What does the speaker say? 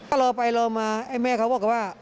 ก็รอไปรอมาแม่เขาบอกกันว่า